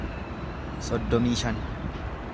soddomii shan